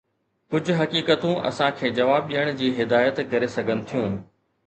ڪجھ حقيقتون اسان کي جواب ڏيڻ جي هدايت ڪري سگھن ٿيون.